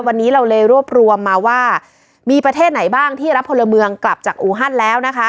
วันนี้เราเลยรวบรวมมาว่ามีประเทศไหนบ้างที่รับพลเมืองกลับจากอูฮันแล้วนะคะ